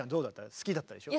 好きだったでしょ？